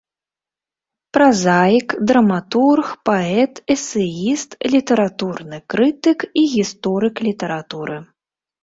Празаік, драматург, паэт, эсэіст, літаратурны крытык і гісторык літаратуры.